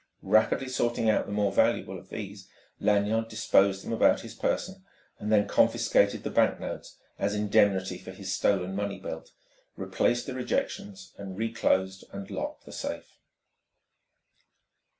Rapidly sorting out the more valuable of these, Lanyard disposed them about his person, then confiscated the banknotes as indemnity for his stolen money belt, replaced the rejections, and reclosed and locked the safe.